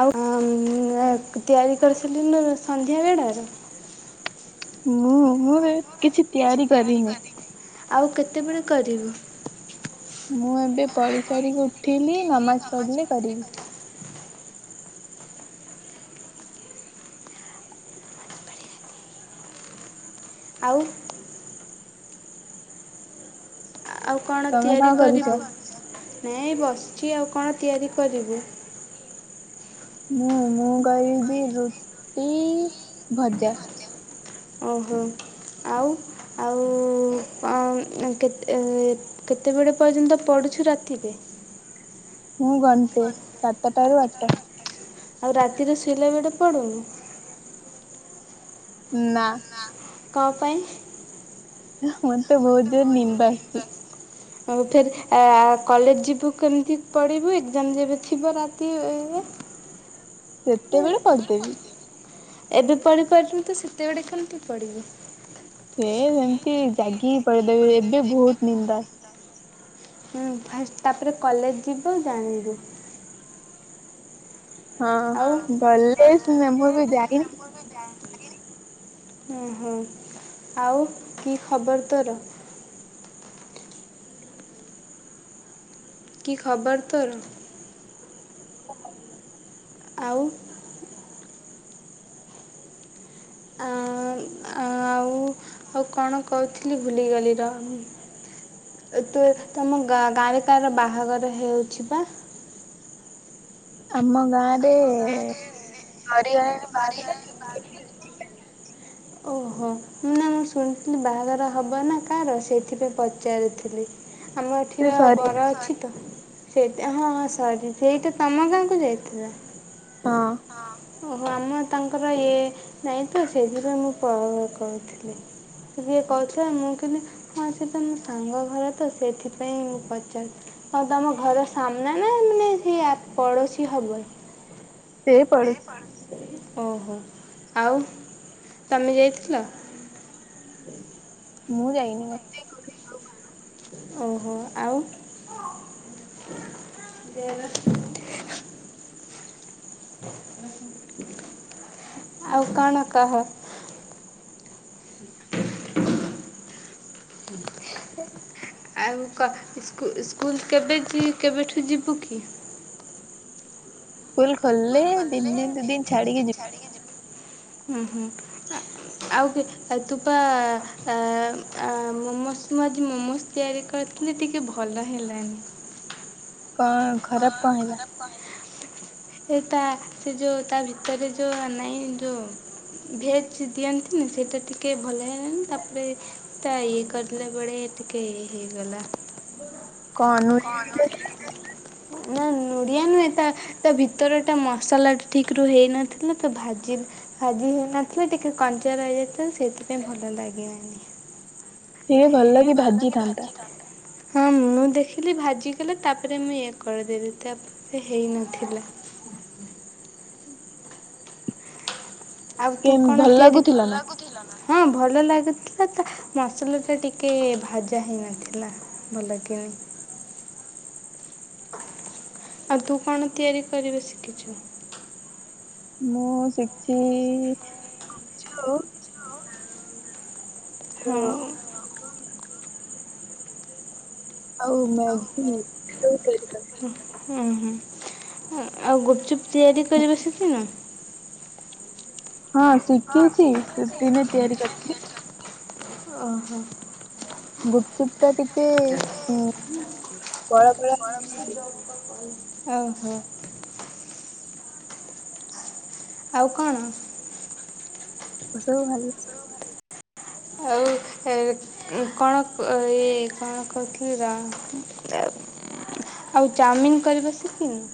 ଆଉ [unintelligible] ତିଆରି କରିସାରିଲୁଣୁ ସନ୍ଧ୍ୟା ବେଡାର। ମୁଁ ମୁଁ ଏବେ କିଛି ଆଉ ତିଆରି କରିନି। କେତେ କେତେବେଳେ କରିବୁ? ମୁଁ ଏବେ ପଡଢ଼ିସାରିକି ଉଠିଲି ନମାଜ ପଢିଲେ କରିବି। ଆଉ ଆଉ କଣ ତମେ ତିଆରି କରୁଛ? କରିବୁ ନାଇ ବସ୍ ଛି ଆଉ କଣ ତିଆରି କରିବୁ? ମୁଁ ମୁଁ କରିବି ରୁଟି ଭଜା। ଓହୋ ଆଉ ଆଉ ଅମ୍ କେତେ ଏ କେତେବେଳ ପର୍ଯ୍ୟନ୍ତ ପଡୁଛୁ ରାତିରେ? ମୁଁ ଗଣ୍ଟେ ସାତଟାରୁ ଆଠ ଟ ଆଉ ରାତିରେ ଶୋଇଲା ବେଡେ ପଡ଼ୁନି। ନା। କ ପାଇଁ? ମତେ ବହୁତ ଜୋର ନିନ୍ଦ ଆସିଚି। ଆଉ ଫେର୍ ଆ କଲେଜ ଯିବୁ କେମତି ପଢ଼ିବୁ ଏକ୍ଜାମ ଯେବେ ଥିବ ରାତି ଏବେ? ସେତେବେଳେ ପଢିଦେବି। ଏବେ ପଢିପାରୁଚନ୍ତି ସେତେବେଳେ କେମିତି ପଢିବେ? ସିଏ ସେମତି ଜାଗିକି ପଢଦେବି ଏବେ ବହୁତ ନିନ୍ଦ ଆସଛି। ହୁଁ ଫାଷ୍ଟ ତାପରେ କଲେଜ ଯିବୁ ଜାଣିବୁ। ଆଉ ହଁ ବଲେ ସିନା ମୁଁ ଏଵେ ଜାଇନି। ହୁଁ ହୁଁ ଆଉ କି ଖବର ତୋର? କି ଖବର ତୋର? ଆଉ ଆ ଆଉ ଆଉ କଣ କହୁଥିଲି ବୁଲିଗଲି ର ତୁ ତମ ଗାଁ ଗାଁରେ କାର ବାହାଘର ହେଉଛି ବା। ଆମ ଗାଁ ରେ ଆମ ଗାଁରେ ସରିଗଲାଣି ସର ବାରଟା [unintelligible] ଓହୋ ନା ମୁଁ ଶୁଣିଥିଲି ବାହାଘର ହବ ନା କାର ସେଇଥିପାଇଁ ପଚାରିଥିଲି। ଆମ ସେ ଏଠିର ସରି ବର ଅଛି ତ। ସେଇଟା ହଁ ହଁ ସରି ସେଇଟା ତମ ଗାଁ କୁ ଯାଇଥିଲା। ହଁ ହଁ। ଓହୋ ଆମ ତାଙ୍କର ଇଏ ନାଇଁ ତ ସେଥିପାଇଁ ମୁଁ କ କହୁଥିଲି ସେ ଯିଏ କହୁଥିଲା ମୁଁ କେମିତି ହଁ ସେ ତ ମୋ ସାଙ୍ଗ ଘର ତ ସେଥିପାଇଁ ମୁଁ ପଚାରୁଥିଲି ଆଉ ତମ ଘର ସାମ୍ନା ନା ମାନେ ସେ ଆ ପଡୋଶୀ ହବ? ସେ ପଡ଼ୋଶୀ। ଓହୋ ଆଉ ତମେ ଯାଇଥିଲ? ମୁଁ ଯାଇନି ମତେ କୋଉଠିକି ଯିବାକୁ ଭଲ ଲାଗ ଓହୋ ଆଉ ଆଉ କଣ କହ। ଆଉ କହ ସ୍କୁ-ସ୍କୁଲ୍ କେବେ ଯି କେବେଠୁ ଯିବୁ କି? କୁଲ୍ ଖୋଲେ ଦି ତିନ୍ ଦିନ୍ ଛାଡ଼ିକି ଯିବି। ହୁଁ ହୁଁ ଆ ଆଉ ତୁ ପା ଆ ଆ ମୋମୋସ ମୁଁ ଆଜି ମୋମୋସ ତିଆରି କରିଥିଲି ଟିକେ ଭଲ ହେଲାନି। କଣ ଖରାପ କଣ ହେଲା? ଏ ତା ସେ ଯୋଉ ତା ଭିତରେ ଯୋଉ ନାଇଁ ଯୋଉ ଭେଜ ଦିଅନ୍ତିନି ସେଇଟା ଟିକେ ଭଲ ହେଇଗଣି ତାପରେ ତା ଇଏ କରିଲା ବେଳେ ଟିକେ ଇଏ ହେଇଗଲା। କଣ [unintelligible] ନା ନୁଡିଆ ନୁହେଁ ତା ତା ଭିତର ଟା ମସଲା ଠିକ ରୁ ହେଇନଥିଲା ତ ଭାଜି ଭାଜି ହେଇନଥିଲା ଟିକେ କଞ୍ଚା ରହିଯାଇଥିଲା ସେଇଥିପାଇଁ ଭଲ ଲାଗିଲନି। ସିଏ ଭଲକି ଭାଜିଥାନ୍ତା। ହଁ ମୁଁ ଦେଖିଲି ଭାଜିଗଲେ ତାପରେ ମୁଇ କରିଦେଲି ତ ଆପ ହେଇନଥିଲା। ଆଉ ତୁ କେମ କଣ ଭଲ ତିଆରି ଲାଗୁଥିଲା ନା ଲୁ ହଁ ଭଲ ଲାଗୁ ଆ ତା ମସଲା ଟା ଟିକେ ଭାଜା ହେଇନଥିଲା ଭଲ କିିନି। ଆଉ ତୁ କଣ ତିଆରି କରିବୁ ଶିଖିଛୁ? ମୁଁ ଶିଖିଛି ଖଛୁ ହଁ। ଆଉ ମ୍ୟାଗି ସବ ତିଆରି କରେ। ଓ ହଁ ଆଉ ଗୁପଚୁପ ତିଆରି କରିବା ସିଖିନୁ? ହଁ ଶିଖିଛି ସେ ଦିନେ ତିଆରି କରିଥିଲି। ଓହୋ। ଗୁପଚୁପ୍ ଟା ଟିକେ ଉଁ ବଳ ବଳ [unintelligible] ଓହୋ। ଆଉ କଣ? ଓ ସବୁ ଭଲ ଆଉ କଣ ଇ କଣ କହୁଥିଲି ର ଆଉ ଚାଉମିନ କରବା ଶିଖିନୁ।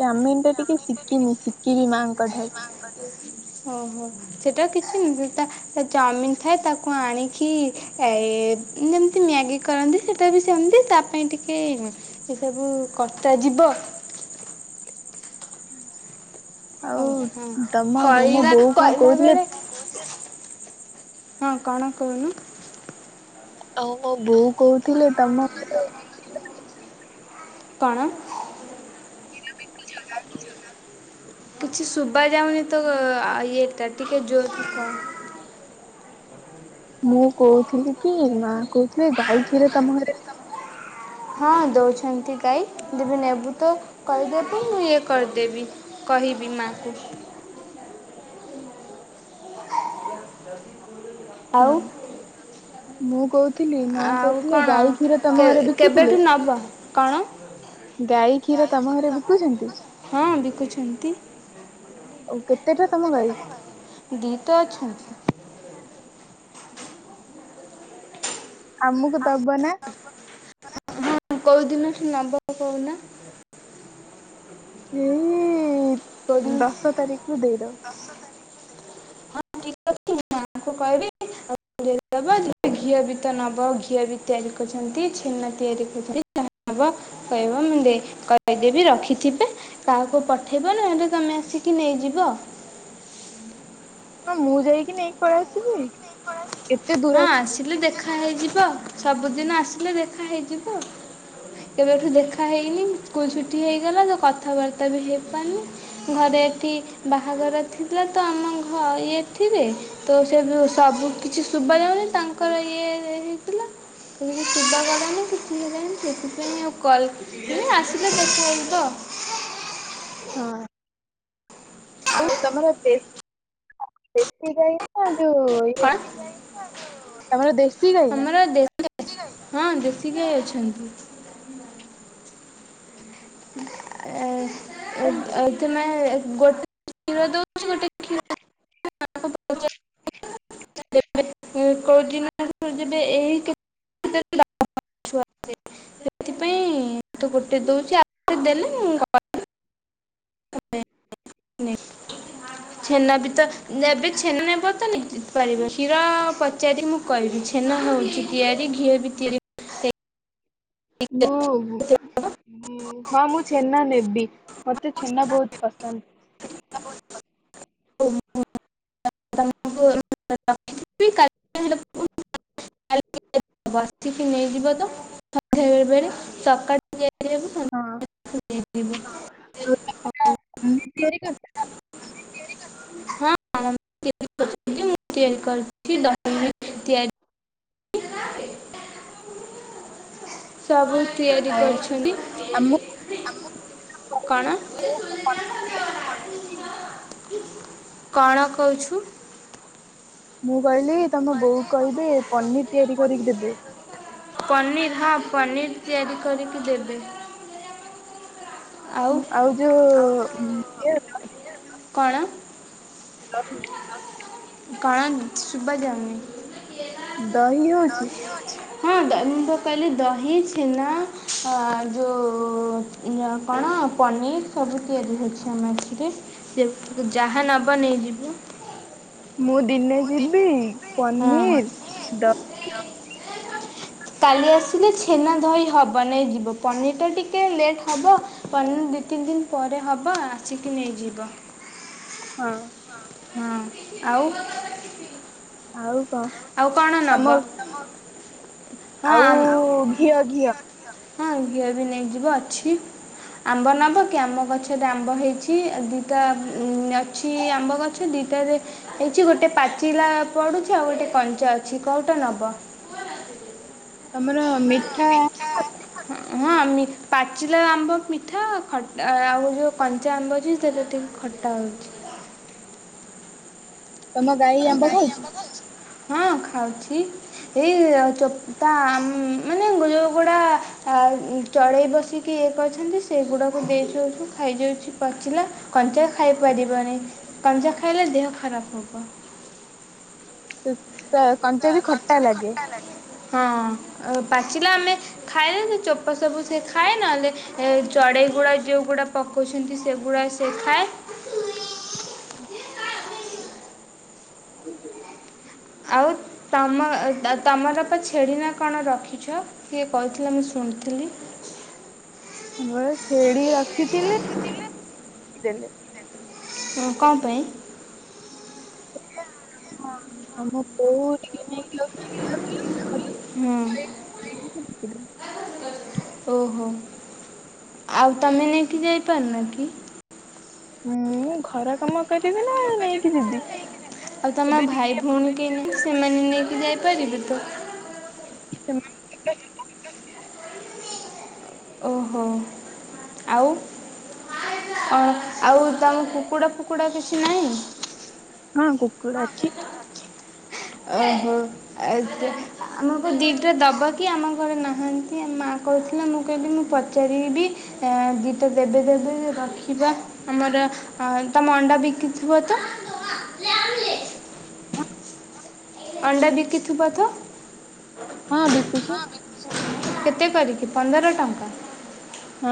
ଚାଉମିନ ଟା ଟିକେ ଶିଖିନି ଶିଖିବି ମାଙ୍କ ଠାରୁ ଓ ହୋ। ସେଟା କିଛି ନାହି ସେ ଚାଉମିିନ ଥାଏ ତାକୁ ଆଣିକି ଏ ଯେମିତି ମ୍ୟାଗି କରନ୍ତି ସେଟା ବି ସେମିତି ତା ପାଇଁ ଟିକେ ଏ ସବୁ କଟା ଯିବ ହୁଁ। ଓହୋ ମୋ ହଇଲା ବୋଉ କଣ କହିଲା କହୁଥିଲେ ବେଳେ ହଁ କଣ କହୁନୁ? ଆଉ ମୋ ବୋଉ କହୁଥିଲେ ତମ ଘରେ କଣ? [unintelligible] କିଛି ଶୁବା ଯାଉନି ତୋ ଇଏଟା ଟିକେ ଜୋର କି କହ। ମୁଁ କହୁଥିଲି କି ମା କହୁଥିଲେ ଗାଈ କ୍ଷୀର ତମ ଘରେ ବି ହଁ ଦଉଛନ୍ତି ଗାଈ ଦେବେନି ଆଉ ନେବୁ ତ କହିଦେବୁ ମୁଁ ଇଏ କରିଦେବି କହିବି ମାଙ୍କୁ। [unintelligible] ହଁ ଆଉ ମୁଁ କହୁ ଆଉ କଣ ଘରେ ବିକୁଥିଲେ? କେବେଠୁ ନବ କଣ ଗାଈ କ୍ଷୀର ତମ ଘରେ ବିକୁଛନ୍ତି? ହଁ ବିକୁଛନ୍ତି ଆଉ କେତେଟା ତମ ଗାଈ? ଦିଟା ଅଛନ୍ତି। ଆମକୁ ଦବନା। ହଁ କୋଉ ଦିନଠୁ ନବ କହୁନା। କେଉଁ ଏଇ ଦିନ ଦଶ ତାରିଖରୁୁ ଦେଇଦବ। ତାଙ୍କୁ କହିବି ଆଉ ଘିଅ ବି ତ ନବ ଘିଅ ବି ତିଆରି କରିଛନ୍ତି ଛେନା ତିଆରି କର କହିବ ମୁଁ କହିଦେବି ରଖିଥିବେ କାହାକୁ ପଠେଇବ ନହେଲେ ତମେ ଆସିକି ନେଇଯିବ। ହଁ ମୁଁ ଯାଇକି ନେଇକି ପଳେଇ ଆସିବି। କେତେ ଦୂର ହଁ ଅଛନ୍ତି? ଆସିଲେ ଦେଖା ହେଇଯିବ ସବୁଦିନ ଆସିଲେ ଦେଖା ହେଇଯିବ କେବେଠୁ ଦେଖା ହେଇନି ସ୍କୁଲ ଛୁଟି ହେଇଗଲା ତ କଥାବାର୍ତ୍ତା ବି ହେଇପାରୁନି ଘରେ ଏଠି ବାହାଘର ଥିଲା ତ ଆମ ଘ ଏଥିରେ ତ ସେ ସବୁ କିଛି ଶୁଭ ଯାଉନି ତାଙ୍କର ଇଏ ହେଇଥିଲା ଶୁଭା ଗଲାନି କିଛି ହେଲାନି ସେଥିପାଇଁ ଆଉ କଲ୍ ଆସିଲେ ଦେଖା ହେଇଯିବ। ହଁ। ଆଉ ତମର ଦେ ଦେଶି ଗାଇ ନାଁ ତମର ଦେଶୀ ଗାଈ ନା? ଆମର ଦେ ହଁ ଦେଶୀ ଗାଈ ଅଛନ୍ତି। ଆଉ ତମେ। ଗୋଟେ କ୍ଷୀର ଦଉଛି ଗୋଟେ କ୍ଷୀର [unintelligible] [unintelligible] କୋଉ ଦିନ ଯେ ଏହି ସେଥିପାଇଁ ତ ଗୋଟେ ଦଉଛି ଆଉ ଦେଲେ ମୁ ଛେନା ବି ତ ଏବେ ଛେନା ନେବ ତ ନିଜ ନେଇ ପାରିବେ। କ୍ଷୀର ପଚାରି ମୁଁ କିହିବି। ଛେନା ହଉଛି ତିଆରି ଘିଅ ବି ତିଆରି। ମୁଁ ହଁ ମୁଁ ଛେନା ନେବି ମତେ ଛେନା ବହୁତ ପସନ୍ଦ। ମ [unintelligible] ବସିକି ନେଇଯିବ ତ ସଧ୍ୟା ବଳେ ବଳେ ସକାଳ [unintelligible] ସଂଧ୍ୟା ହଁ। ସଂଧ୍ୟା ବେଳେ ସକାଳେ ହଉ। ତିଆରେ କରି ହଁ ମୁଁ ତିଆରି କରଥିଲି ତିଆରି କରିଛି [unintelligible] ସବୁ ତିଆରି ଆଉ ଆମକୁ କରିଛନ୍ତି କଣ? କଣ କହୁଛୁ? ମୁଁ କହିଲି ତମ ବୋଉ କହିବେ ପନିର ତିଆରି କରିକି ଦେବେ। ପନିର୍ ହଁ ପନିର୍ ତିଆରି କରିକି ଦେବେ। ଆଉ ଉଁ, ଇଏ ଯୋଉ। କଣ? ଦହି କଣ? ଶୁଭା ଯାଉନି। ଦହି ହଉଛି। ହଁ ଦ ମୁଁ ତ କହିଲି ଦହି ଛେନା ଆ ଯୋଉ କଣ ପନିର ସବୁ ତିଆରି ହଉଛି ଆମର ଏଇଠି ଯାହା ନବ ନେଇଯିବୁ। ମୁ ଦ ଦିନେ ଯିବି ହଁ ପନିର ଦହି କାଲି ଆସିଲେ ଛେନା ଦହି ହବ ନେଇ ଯିବୁ ପନିର ଟା ଟିକେ ଲେଟ। ହବ ପନିର ଦି ତିନି ଦିନ ପରେ ହବ ଆସିକି ନେଇଯିବ। ହଁ ହଁ ଆଉ? ଆଉ କଣ ଆଉ କଣ ତମ ନବ? ଆଉ ଘିଅ ଘିଅ। ହଁ ଘିଅ ବି ନେଇଯିବ ଅଛି, ଆମ୍ବ ନବ କି ଆମ ଗଛରେ ଆମ୍ବ ହେଇଛି, ଦୁଇଟା ଅଛି ଆମ୍ବ ଗଛ, ଦୁଇଟାରେ ହେଇଛି ଗୋଟେ ପା। ଚିଲା ପଡୁଛି ଆଉ ଗୋଟେ କଞ୍ଚା ଅଛି କଉଟା ନବ? ତମର ମିଠା ହଁ ମି ପାଚିଲା ଆମ୍ବ ମିଠା ଖଟା ଆଉ ଯୋଉ କଞ୍ଚା ଆମ୍ବ ଅଛି ସେଇଟା ଟିକେ ଖଟା ହଉଛି। ତମ ଗାଈ ଆମ୍ବ ଖାଉଛି? ହଁ ଖାଉଛି। [inaudible] ଏଇ ଚୋପାଆ ମାନେ ଯୋଉଗୁଡ଼ା ଆଉ ଚଢ଼େଇ ବସି [inaudible] ଏ କରିଛନ୍ତି ସେ ଗୁଡ଼ାକୁ ଦେଇ ଦେଉଛୁ ଖାଇଯାଉଛି ପାଚିଲା, କଞ୍ଚା ଖାଇପାରିବନି କଞ୍ଚା ଖାଇଲେ ଦେହ ଖରାପ ହବ। [inaudible] ତ କଞ୍ଚା ବି ଖଟା ଲାଗେ। ହଁଅଅ ପାଚିଲା ଆମେ ଖାଇଲେ ସେ ଚୋପା ସବୁ ସେ ଖାଏ ନହେଲେ ଚଢ଼େଇଗୁଡ଼ା ଯୋଉଗୁଡ଼ା ପକଉଛନ୍ତି ସେଗୁଡ଼ା ସେ ଖାଏ। [unintelligible] [inaudible] ଆଉ ତମ ତମରପ ଛେଡ଼ିନା କଣ ରଖିଛ କିଏ କହୁଥିଲା ମୁଁ ଶୁଣିଥିଲି। ଘରେ ଛେଡି ରଖିଥିଲି [inaudible] ଦେଲେ। ହଁ କଣ ପାଇଁ? [inaudible] ଆମ ବୋଉ ଟିକ୍ ହୁଁ ଫିଲ ଓହୋଃ। ଆଉ ତମେ ନେଇକି ଯାଇପାରୁନାକି? ମୁଁଉଉ ଘର କାମ କରିବି ନା ନେଇକି ଯିବି? ଆଉ ତମ ଏବେ ଭାଇ ଟିକେ ଭଉଣୀ କେହି ନାହିଁ ସେମାନେ ନେଇକି ଯାଇ ଇ ପାରିବେତ। ସେମାନେ [inaudible] ଓହୋଃ, ଆଉ ଆଉ ତମ କୁକୁଡ଼ା ଫୁ କୁଡା କିଛି ନାଇଁ ହଁ କୁକୁଡ଼ା ଅଛି ଓହୋଃ। ଆଚା ଆମକୁ ଦିଟା ଦବ କି ଆମ ଘରେ ନାହାନ୍ତି ଆମ ମାଆ କହୁଥିଲା ମୁଁ କହିବି ମୁଁ ପଚାରିବି ଦିଟା ଦେବେ ଦେବେ ରଖିବା ଆମର ତମ ଅଣ୍ଡା ବିକିଥିବ ତ? ଅଣ୍ଡା ବିକିଥିବ ତ? ହଁ ବିକୁଛି କେତେ କରିକି ପନ୍ଦର ଟଙ୍କ୍? [inaudible] ହଁ।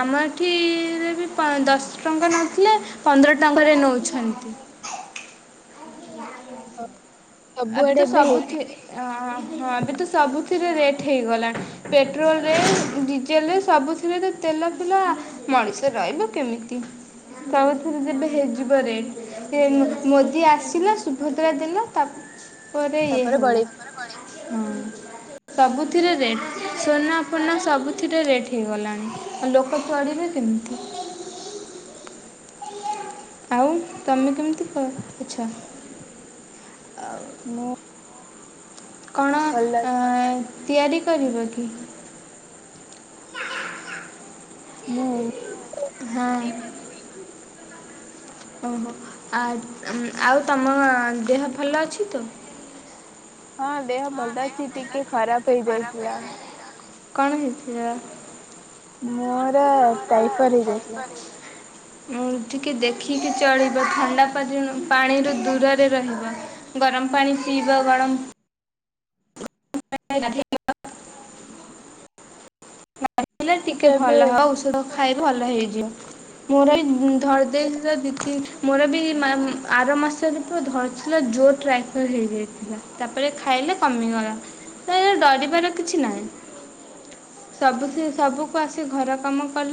ଆମ ଏଠିଇଇ ରେ ବି ଦଶ ଟଙ୍କା ନଥିଲା ପନ୍ଦର ଟଙ୍କାରେ ନଉଛନ୍ତି। ହ। ଏବେ ତ ସବୁଥି ଆଁ ଆଁ ଆଁ ହଁ ଏବେ ତ ସବୁଥିରେ ରେଟ୍ ହେଇଗଲାଣି, ପେଟ୍ରୋଲରେ ଡିଜେଲରେ ସବୁଥିରେ ତେଲଫିଲ ମଣିଷ ରହିବ କେମିତି ସବୁଥିରେ ଯେବେ ହେଇଯିବ ରେଟ୍, ମୋଦି ଆସିଲା ସୁଭଦ୍ରା ଦିନ ତା- ପରେ ଇଏ ତାପରେ ହେଲା। ବଳେଇବି ହଁ ସବୁ ଥିରେ ରେ ଦେଖୁନ ସବୁଥିରେ ରେଟ୍ ହେଇଗଲାଣି ଆଉ ଲୋକ ଚଳିବେ କେମିତି? ଆଉ ତମେ କେମିତି କ କରୁଛ? ମୁଁ କଣ ଭଲ। ତିଆରି କରିବ କି? ମୁଁ ହଁ। ଓହୋ ଆ ଆଉ ତମ ଦେହ ଭଲ ଅଛି ତ? ହଁ ଦେହ ଭଲ ଅଛି ଟିକେ ଖରାପ ହେଇଯାଇଥିଲା। କଣ ହେଇଥିଲା? ମୋର ଟାଇଫର ହେଇ ଯାଇଥିଲା। ଟିକେ ଦେଖିକି ଚଳିବ ଥଣ୍ଡା ପରି ପାଣିରୁ ଦୂରରେ ରହିବ ଗରମ ପାଣି ପିଇବ ଗରମ [unintelligible] ଆ ଟିକେ ସେଟା ଏବେ ଭଲ ହ ଔଷଧ ଖାଇ ଭଲ ହେଇଯିବ ମୋର ବି ଧରି ଦେଇଥିଲା ଦି ମୋର ବି ଆର ମାସରେ ପ ଧରିଥିଲା ଜୋର ଟାଇର ହେଇଯାଇଥିଲା। ତାପରେ ଖାଇଲେ କମିଗଲା ଡରିବାର କିଛି ନାହିଁ ସବୁ ସବୁକୁ ଆସି ଘର କାମ କଲେ